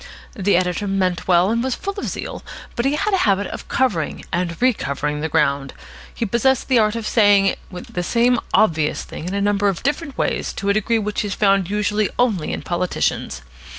The editor meant well, and was full of zeal, but he had a habit of covering and recovering the ground. He possessed the art of saying the same obvious thing in a number of different ways to a degree which is found usually only in politicians.